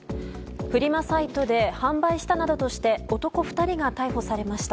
フリマサイトで販売したなどとして男２人が逮捕されました。